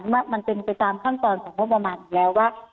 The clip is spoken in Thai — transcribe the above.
มันเป็นไปตามขั้นตอนของงบประมาณอยู่แล้วว่า